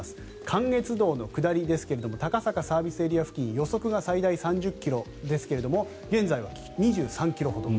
関越道の下りですが高坂ＳＡ付近予測が最大３０ｋｍですが現在は２３ｋｍほど。